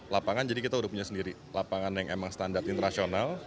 lapangan jadi kita udah punya sendiri lapangan yang emang standar internasional